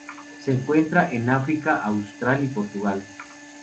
Se encuentra en África austral y Portugal.